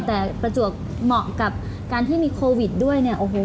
แต่ประจวกเหมาะกับการที่มีโควิดด้วย